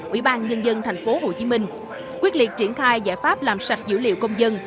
ủy ban nhân dân tp hcm quyết liệt triển khai giải pháp làm sạch dữ liệu công dân